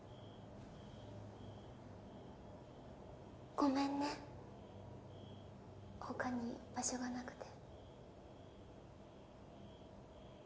ごめんね他に場所がなくて。